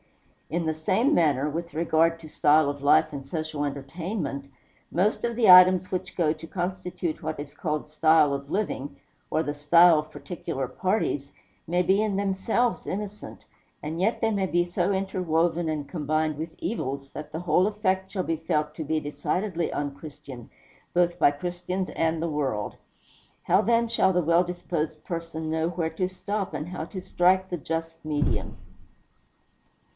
In the same manner, with regard to style of life and social entertainment most of the items which go to constitute what is called style of living, or the style of particular parties, may be in themselves innocent, and yet they may be so interwoven and combined with evils, that the whole effect shall be felt to be decidedly unchristian, both by Christians and the world. How, then, shall the well disposed person know where to stop, and how to strike the just medium?